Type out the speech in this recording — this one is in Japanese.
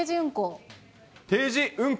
定時運航。